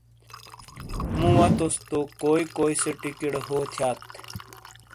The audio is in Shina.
مو وتوس تو کوئی کوئی سےٹیکیڑے ہو تھیات ؟